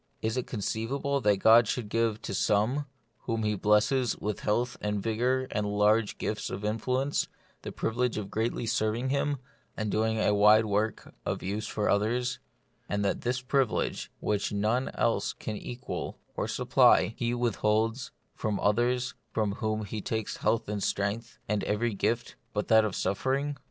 Is it conceivable that God should give to some, whom He blesses with health and vigour and large gifts of influence, the privilege of greatly serving Him, of doing a wide work of use for others ; and that this privilege, which none else can equal or sup ply, He withholds from others from whom He takes health and strength, and every gift but that of suffering